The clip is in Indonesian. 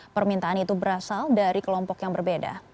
permintaan itu berasal dari kelompok yang berbeda